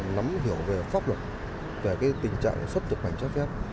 nắm hiểu về pháp luật về tình trạng xuất nhập cảnh trái phép